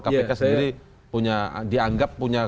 kpk sendiri dianggap punya